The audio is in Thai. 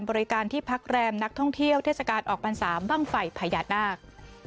บริการที่พักแรมนักท่องเที่ยวเทศกาลออกพรรษาบ้างไฟพญานาค